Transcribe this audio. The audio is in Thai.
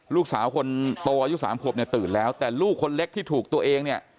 ลูกสาวคนโตอายุสามขวบเนี่ยตื่นแล้วแต่ลูกคนเล็กที่ถูกตัวเองเนี่ย